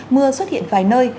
mưa xuất hiện vài nơi